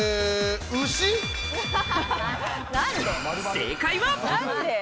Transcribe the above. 正解は。